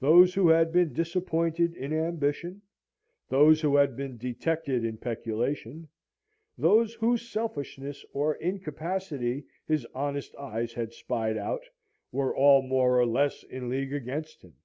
Those who had been disappointed in ambition, those who had been detected in peculation, those whose selfishness or incapacity his honest eyes had spied out, were all more, or less in league against him.